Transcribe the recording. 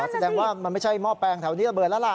แสดงว่ามันไม่ใช่หม้อแปลงแถวนี้ระเบิดแล้วล่ะ